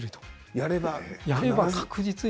やれば確実に。